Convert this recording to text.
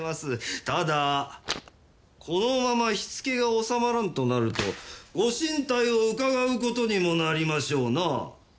ただこのまま火付けが収まらんとなるとご進退を伺う事にもなりましょうな。